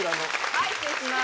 はい失礼します。